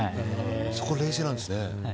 そこは冷静なんですね。